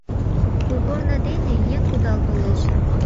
Кугорно дене еҥ кудал толеш.